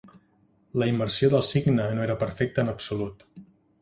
La immersió del cigne no era perfecta en absolut.